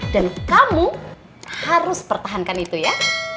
dan kamu harus pertahankan itu ya